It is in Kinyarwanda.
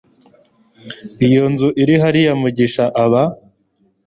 iyo nzu iri hariya mugisha aba